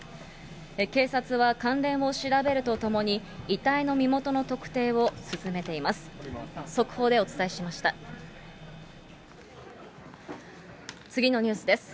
警察は関連を調べるとともに、遺体の身元の特定を進めています。